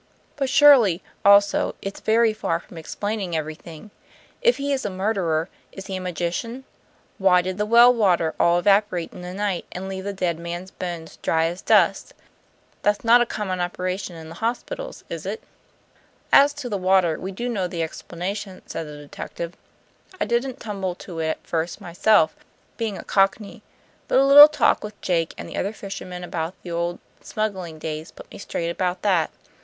But surely, also, it's very far from explaining everything. If he is a murderer, is he a magician? Why did the well water all evaporate in a night, and leave the dead man's bones dry as dust? That's not a common operation in the hospitals, is it?" "As to the water, we do know the explanation," said the detective. "I didn't tumble to it at first myself, being a Cockney; but a little talk with Jake and the other fisherman about the old smuggling days put me straight about that.